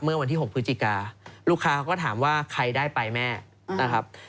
เมื่อวันที่๖พฤศจิกาลูกค้าเขาก็ถามว่าใครได้ไปแม่นะครับ